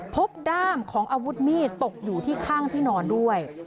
ด้ามของอาวุธมีดตกอยู่ที่ข้างที่นอนด้วย